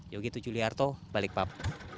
yogyetu juliarto balikpap